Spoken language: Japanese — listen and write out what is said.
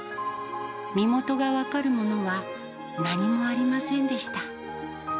身元が分かるものは何もありませんでした。